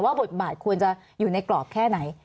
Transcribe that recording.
บทบาทควรจะอยู่ในกรอบแค่ไหน